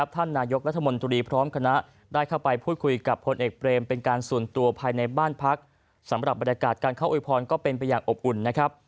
ท่านนายกรัฐมนตรีพร้อมคณะได้เข้าไปพูดคุยกับพลเอกเบรมเป็นการส่วนตัวภายในบ้านพักสำหรับบรรยากาศการเข้าโวยพรก็เป็นไปอย่างอบอุ่นนะครับ